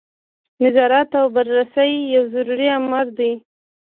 نظارت او بررسي یو ضروري امر دی.